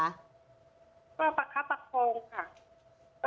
ประคับประโภคางค่ะ